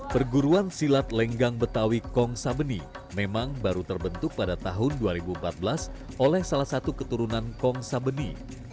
perguruan silat lenggang betawi kong sabeni memang baru terbentuk pada tahun dua ribu empat belas oleh salah satu keturunan kong sabeni